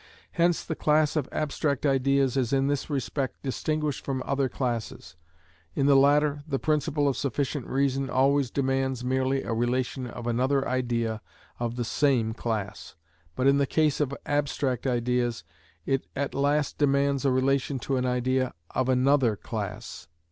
Hence the class of abstract ideas is in this respect distinguished from other classes; in the latter the principle of sufficient reason always demands merely a relation to another idea of the same class, but in the case of abstract ideas, it at last demands a relation to an idea of another class.